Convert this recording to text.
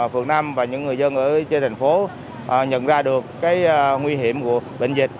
phường nam và những người dân ở trên thành phố nhận ra được cái nguy hiểm của bệnh dịch